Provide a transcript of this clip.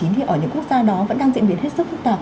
thì ở những quốc gia đó vẫn đang diễn biến hết sức phức tạp